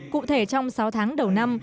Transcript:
cụ thể trong sáu tháng đầu năm